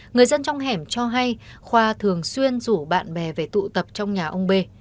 người dân trong hẻm cho hay khoa thường xuyên rủ bạn bè về tụ tập trong nhà ông bê